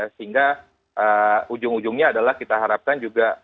sehingga ujung ujungnya adalah kita harapkan juga